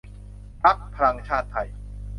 พรรคพลังชาติไทย